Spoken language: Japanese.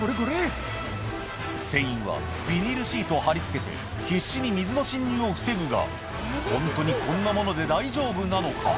船員はビニールシートを張り付けて必死に水の浸入を防ぐがホントにこんなもので大丈夫なのか？